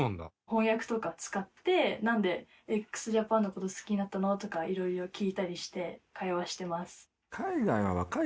翻訳とか使って「なんでＸＪＡＰＡＮの事好きになったの？」とかいろいろ聞いたりして会話してます。